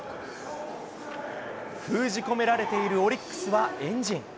封じ込められているオリックスは円陣。